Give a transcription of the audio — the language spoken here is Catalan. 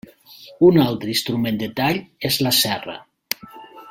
Un altre instrument de tall és la serra.